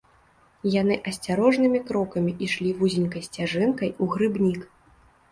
Яны асцярожнымі крокамі ішлі вузенькай сцяжынкай у грыбнік.